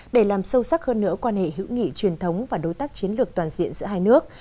để làm sâu sắc hơn nữa quan hệ hữu nghị truyền thống và đối tác chiến lược toàn diện giữa hai nước